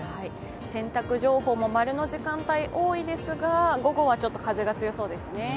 洗濯情報も○の時間帯多いですが午後はちょっと風が強そうですね。